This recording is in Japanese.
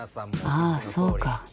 あぁそうか。